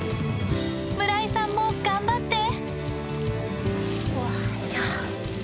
村井さんも頑張って！